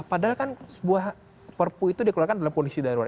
padahal kan sebuah perpu itu dikeluarkan dalam kondisi darurat